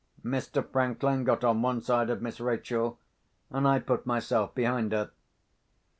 Mr. Franklin got on one side of Miss Rachel, and I put myself behind her.